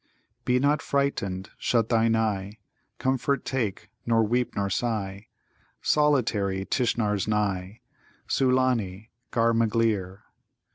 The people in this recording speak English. "'Be not frightened, shut thine eye; Comfort take, nor weep, nor sigh; Solitary Tishnar's nigh!' Sulâni, ghar magleer.